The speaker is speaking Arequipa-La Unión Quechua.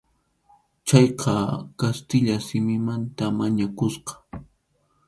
Chayqa kastilla simimanta mañakusqa.